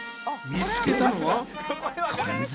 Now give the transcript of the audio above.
見つけたのは缶詰？